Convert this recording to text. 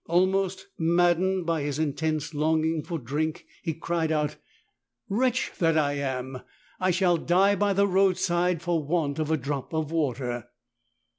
Al most maddened by his intense longing for drink he cried out: ''Wretch that I am! I shall die by the roadside for want of a drop of water."